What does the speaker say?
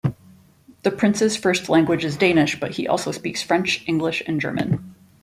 The Prince's first language is Danish, but he also speaks French, English and German.